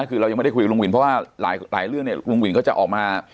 คือเรายังไม่ได้คุยกับลุงวินเพราะว่าหลายเรื่องเนี่ยลุงวินก็จะออกมา